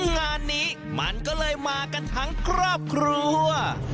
งานนี้มันก็เลยมากันทั้งครอบครัว